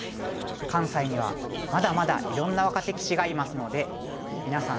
関西にはまだまだいろんな若手棋士がいますのでみなさん